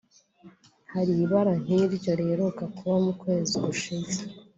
Hari ibara nk’iryo riheruka kuba mu kwezi gushize